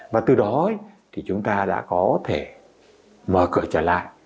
và từ đó thì chúng ta đã có thể mở cửa trở lại